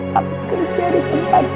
paps kerja di tempat gue